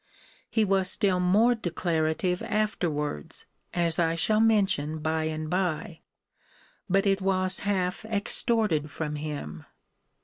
He was still more declarative afterwards, as I shall mention by and by: but it was half extorted from him.